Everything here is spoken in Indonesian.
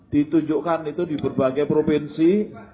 ditunjukkan itu di berbagai provinsi